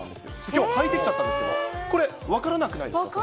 きょう、履いてきちゃったんですけど、これ、分からなくないですか。